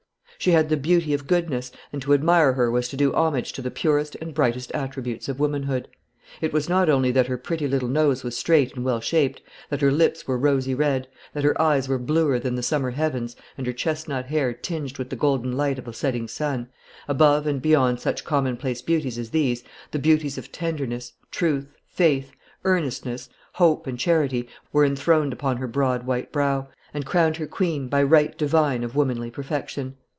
She had the beauty of goodness, and to admire her was to do homage to the purest and brightest attributes of womanhood. It was not only that her pretty little nose was straight and well shaped, that her lips were rosy red, that her eyes were bluer than the summer heavens, and her chestnut hair tinged with the golden light of a setting sun; above and beyond such commonplace beauties as these, the beauties of tenderness, truth, faith, earnestness, hope and charity, were enthroned upon her broad white brow, and crowned her queen by right divine of womanly perfection.